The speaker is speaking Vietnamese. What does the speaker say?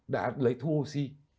đã lấy thu oxy